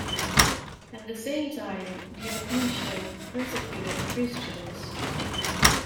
At the same time, Diocletian persecuted Christians.